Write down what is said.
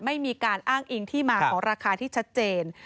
ไม่มีการอ้างอิงที่มาของราคาที่ชัดเจน